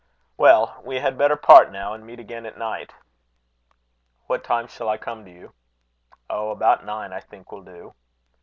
"Well, we had better part now, and meet again at night." "What time shall I come to you?" "Oh! about nine I think will do."